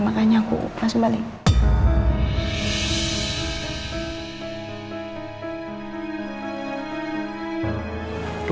makanya aku masih balik